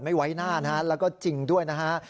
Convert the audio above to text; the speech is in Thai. ไม่ไว้หน้านะฮะแล้วก็จริงด้วยนะฮะ